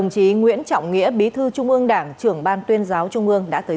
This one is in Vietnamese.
xin chào và hẹn gặp lại